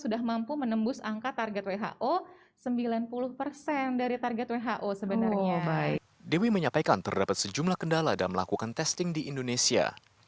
dewi menyampaikan terdapat sejumlah kendala dalam melakukan testing di indonesia